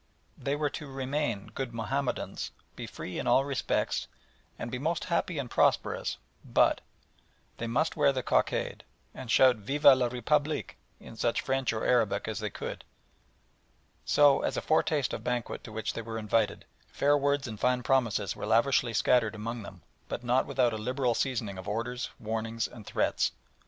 They were to remain good Mahomedans, be free in all respects, and be most happy and prosperous but they must wear the cockade, and shout "Vive la République" in such French or Arabic as they could. So, as a foretaste of the banquet to which they were invited, fair words and fine promises were lavishly scattered among them, but not without a liberal seasoning of orders, warnings, and threats.